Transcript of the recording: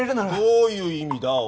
どういう意味だ？